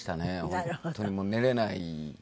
本当に寝れない。